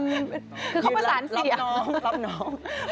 คือเขาประสานน้องรับน้อง